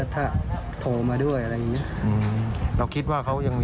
แม่ก็เสียใจแม่ก็ร้องไห้